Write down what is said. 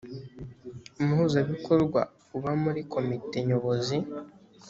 umuhuzabikorwa uba muri komite nyobozi